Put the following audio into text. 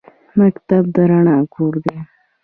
مکتب د رڼا کور دی